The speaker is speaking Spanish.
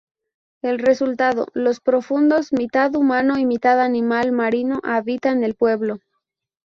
El resultado: los Profundos, mitad humano y mitad animal marino habitan el pueblo.